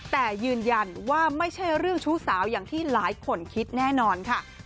แต่ยืนยันว่าไม่ใช่เรื่องชู้สาวอย่างที่หลายคนคิดแน่นอนค่ะ